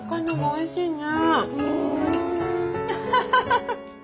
おいしいね。